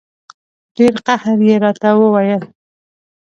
ډېر قهر یې راته وویل.